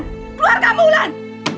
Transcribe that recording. keluar kamu hulan